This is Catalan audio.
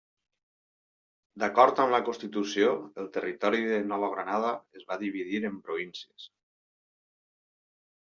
D'acord amb la constitució, el territori de la Nova Granada es va dividir en províncies.